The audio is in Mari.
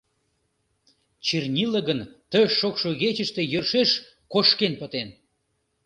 Чернила гын ты шокшо игечыште йӧршеш кошкен пытен.